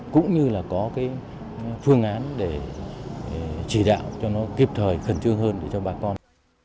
cũng như là có cái phương án để chỉ đạo cho nó kịp thời khẩn trương hơn để cho bà con